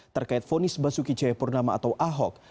terkait fonis basuki cahayapurnama atau ahok